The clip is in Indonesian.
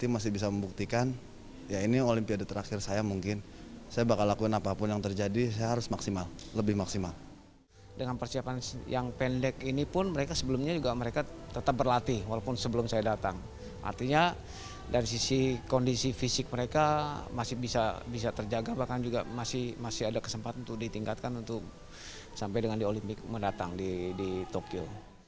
masih ada kesempatan untuk ditingkatkan untuk sampai dengan di olimpiade mendatang di tokyo